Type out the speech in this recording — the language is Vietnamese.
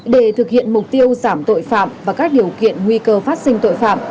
để thực hiện mục tiêu giảm tội phạm và các điều kiện nguy cơ phát sinh tội phạm